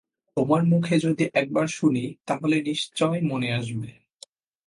তোমার মুখে যদি একবার শুনি তাহলে নিশ্চয় মনে আসবে।